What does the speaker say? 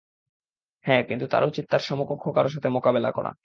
হ্যাঁ, কিন্তু তার উচিৎ তার সমকক্ষ কারো সাথে মোকাবেলা করা।